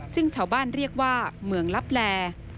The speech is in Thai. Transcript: ซึ่งชาวบ้านเรียกว่าเมืองลับแล